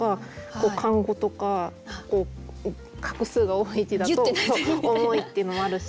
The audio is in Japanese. こう漢語とか画数が多い字だと重いっていうのもあるし。